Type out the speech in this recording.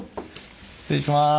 失礼します。